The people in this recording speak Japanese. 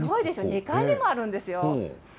２階にもあるんですよ。